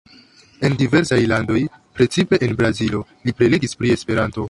En diversaj landoj, precipe en Brazilo, li prelegis pri Esperanto.